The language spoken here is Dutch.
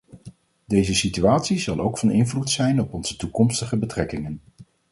Deze situatie zal ook van invloed zijn op onze toekomstige betrekkingen.